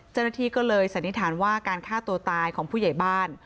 เจ้าหน้าที่ก็เลยสันนิษฐานว่าการฆ่าตัวตายของผู้ใหญ่บ้าน